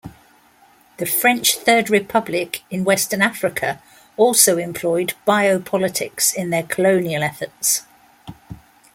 The French Third Republic in Western Africa also employed biopolitics in their colonial efforts.